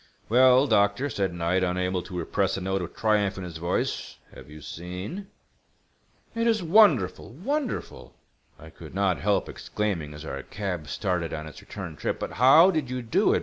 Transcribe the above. "Well, doctor," said Knight, unable to repress a note of triumph in his voice, "have you seen?" "It is wonderful—wonderful!" I could not help exclaiming as our cab started on its return trip. "But how did you do it?